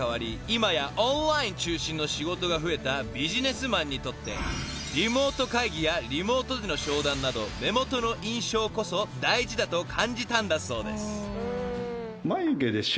今やオンライン中心の仕事が増えたビジネスマンにとってリモート会議やリモートでの商談など目元の印象こそ大事だと感じたんだそうです］